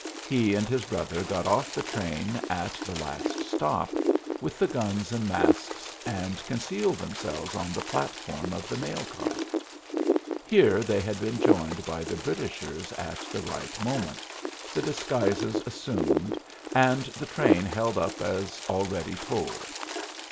He and his brother got off the train at the last stop, with the guns and masks, and concealed themselves on the platform of the mail car. Here they had been joined by the Britishers at the right moment, the disguises assumed, and the train held up as already told.